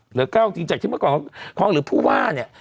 เหลือ๙จริงจากที่เมื่อก่อนทองหรือผู้ว่าเนี่ย